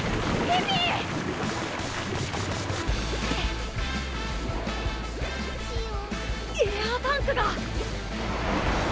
エアータンクが！